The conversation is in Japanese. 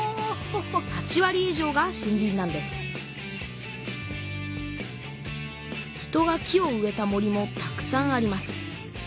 ８わり以上が森林なんです人が木を植えた森もたくさんあります。